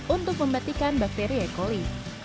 untuk membatikan bakteri e coli